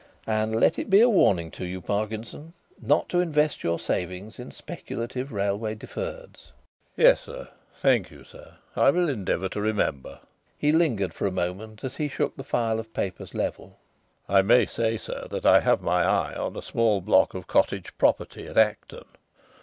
And let it be a warning to you, Parkinson, not to invest your savings in speculative railway deferreds." "Yes, sir. Thank you, sir, I will endeavour to remember." He lingered for a moment as he shook the file of papers level. "I may say, sir, that I have my eye on a small block of cottage property at Acton.